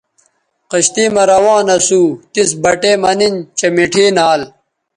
کشتئ مہ روان اسو تس بٹے مہ نِن چہء مٹھے نھال